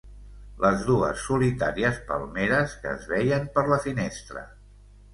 Les dues solitàries palmeres que es veien per la finestra.